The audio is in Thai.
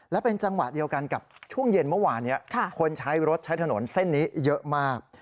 และเป็นจังหวะเดียวกันกับช่วงเย็นเมื่อวานนี้คนใช้รถใช้ถนนเส้นนี้เยอะมาก